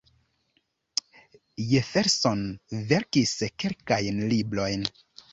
Jefferson verkis kelkajn librojn.